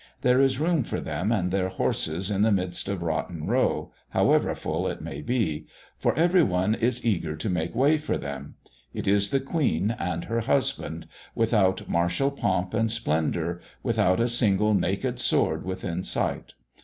There is room for them and their horses in the midst of Rotten row, however full it may be, for every one is eager to make way for them: it is the Queen and her husband, without martial pomp and splendour, without a single naked sword within sight.